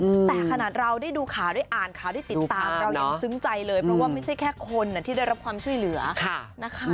แต่ขนาดเราได้ดูข่าวได้อ่านข่าวได้ติดตามเรายังซึ้งใจเลยเพราะว่าไม่ใช่แค่คนที่ได้รับความช่วยเหลือค่ะนะคะ